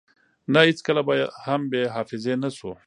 نه هیڅکله به هم بی حافظی نشو